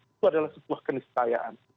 itu adalah sebuah kenisayaan